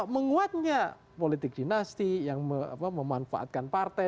menguatnya politik dinasti yang memanfaatkan partai